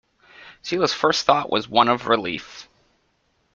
Celia's first thought was one of relief.